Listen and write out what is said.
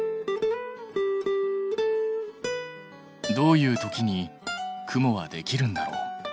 どういう時に雲はできるんだろう？